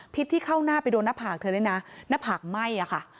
ที่เข้าหน้าไปโดนหน้าผากเธอด้วยนะหน้าผากไหม้อะค่ะ